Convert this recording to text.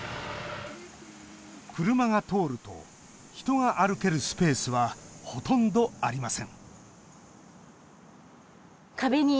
車が通ると人が歩けるスペースはほとんどありません